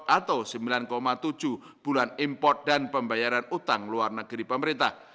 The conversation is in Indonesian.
setara dengan pembiayaan sepuluh satu bulan import atau sembilan tujuh bulan import dan pembayaran utang luar negeri pemerintah